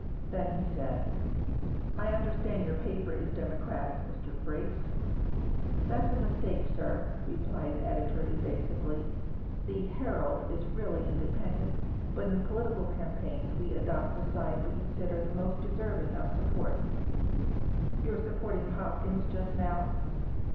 Then he said: "I understand your paper is Democratic, Mr. Briggs." "That's a mistake, sir," replied the editor, evasively. "The Herald is really independent, but in political campaigns we adopt the side we consider the most deserving of support." "You're supporting Hopkins just now."